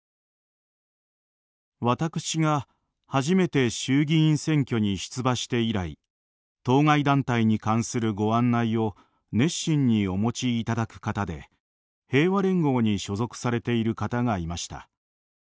「私が初めて衆議院選挙に出馬して以来当該団体に関するご案内を熱心にお持ち頂く方で平和連合に所属されている方がいました」。